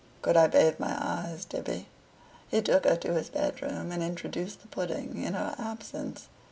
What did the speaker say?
"Could I bathe my eyes, Tibby?" He took her to his bedroom, and introduced the pudding in her absence.